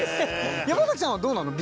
山崎さんはどうなの？